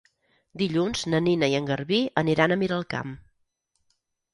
Dilluns na Nina i en Garbí aniran a Miralcamp.